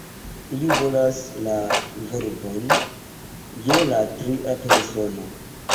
Ili volas la verbon je la tria persono.